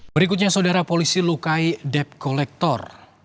berikutnya saudara polisi lukai depkolektor